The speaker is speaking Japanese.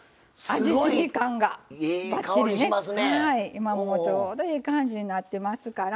今もうちょうどええ感じになってますから。